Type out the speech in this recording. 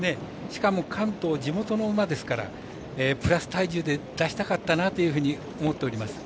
しかも関東、地元の馬ですからプラス体重で出したかったなというふうに思っております。